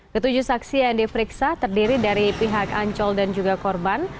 ketujuh saksi yang diperiksa terdiri dari pihak ancol dan juga korban